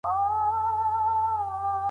څو ورځي مخکي ئې ممکن مخ هم نه ورته لوڅاوه.